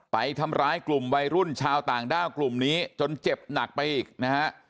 ไปทำร้ายกลุ่มวัยรุ่นชาวต่างด้าวกลุ่มนี้จนเจ็บหนักไปอีกนะฮะ